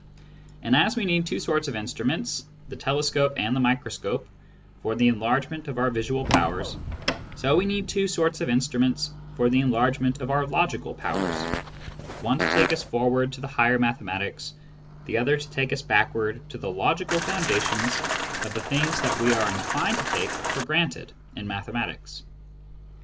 And as we need two sorts of instruments, the telescope and the microscope, for the enlargement of our visual powers, so we need two sorts of instruments for the enlargement of our logical powers, one to take us forward to the higher mathematics, the other to take us backward to the logical foundations of the things that we are inclined to take for granted in mathematics.